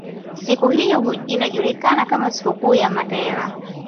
Siku hiyo inajulikana kama siku kuu ya Mandela